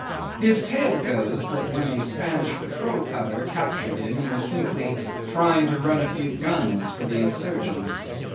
'His tale goes that when a Spanish patrol cutter captured him he was simply trying to run a few guns for the insurgents.